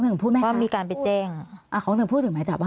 หนึ่งพูดไหมคะว่ามีการไปแจ้งอ่าเขาหนึ่งพูดถึงหมายจับว่า